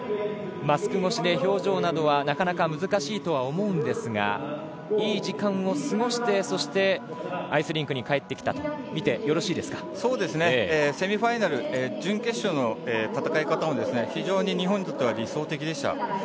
マスク越しで表情などはなかなか難しいとは思いますがいい時間を過ごしてアイスリンクに帰ってきたとみてセミファイナル、準決勝の戦い方は非常に日本にとって理想的でした。